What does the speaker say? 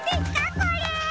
これ！